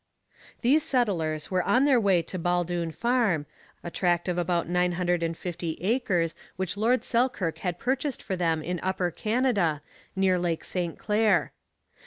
These settlers were on their way to Baldoon Farm, a tract of about nine hundred and fifty acres which Lord Selkirk had purchased for them in Upper Canada, near Lake St Clair.